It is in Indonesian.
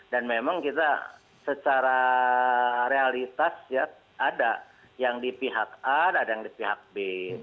dan memang kita secara realitas ya ada yang di pihak a dan ada yang di pihak b